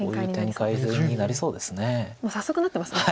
もう早速なってますね。